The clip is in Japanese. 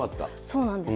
そうなんです。